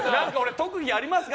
特技ありますか？